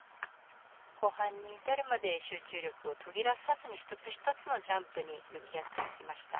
後半に至るまで集中力が途切れないで１つ１つのジャンプに向き合っていきました。